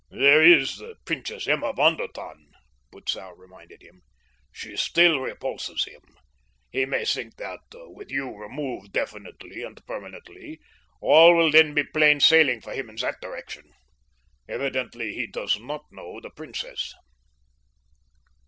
"There is the Princess Emma von der Tann," Butzow reminded him. "She still repulses him. He may think that, with you removed definitely and permanently, all will then be plain sailing for him in that direction. Evidently he does not know the princess."